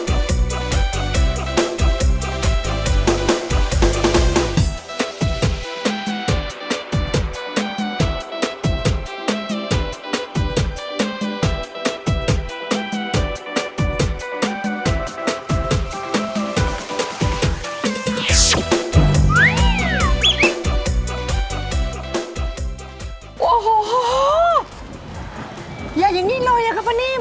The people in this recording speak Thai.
โอ้โหอย่าอย่างนี้เลยอะครับป้านิ่ม